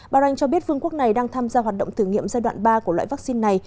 bahrain cho biết vương quốc này đang tham gia hoạt động thử nghiệm giai đoạn ba của loại vaccine này